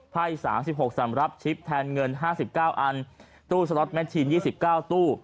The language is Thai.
ไพ่๓๖สำหรับชิปแทนเงิน๕๙อันตู้สล็อตแมทชีน๒๙ตู้